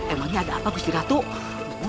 emangnya ada apa gusti ratu